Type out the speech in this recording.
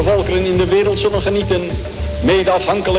pemerintah indonesia mencetak uang orida di daerah daerah indonesia